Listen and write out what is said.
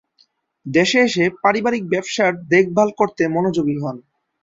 দেশে এসে পারিবারিক ব্যবসার দেখভাল করতে মনোযোগী হন।